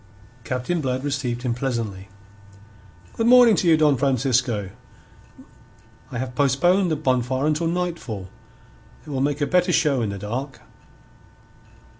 Captain Blood received him pleasantly. "Good morning to you, Don Francisco. I have postponed the bonfire until nightfall. It will make a better show in the dark."